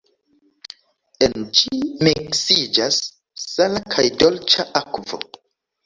En ĝi miksiĝas sala kaj dolĉa akvo.